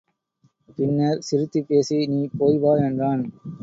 பின்னர் சிரித்துப் பேசி நீ போய் வா என்றான்.